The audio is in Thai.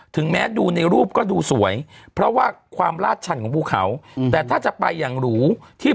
ถึงแม้ดูในรูปก็ดูสวยเพราะว่าความลาดชันของภูเขาแต่ถ้าจะไปอย่างหรูที่